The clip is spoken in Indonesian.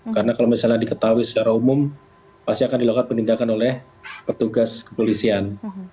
karena kalau misalnya diketahui secara umum pasti akan dilakukan penindakan oleh petugas kepolisian